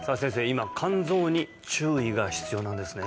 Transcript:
今肝臓に注意が必要なんですね？